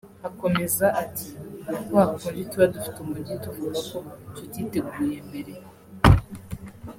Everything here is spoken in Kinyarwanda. Akomeza ati” Ni kwa kundi tuba dufite umujyi tuvuga ko tutiteguye mbere